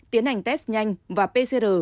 tiến hành test nhanh và pcr